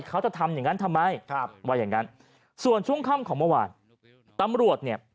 เขาจะทำอย่างนั้นทำไมครับว่าอย่างงั้นส่วนช่วงค่ำของเมื่อวานตำรวจเนี่ย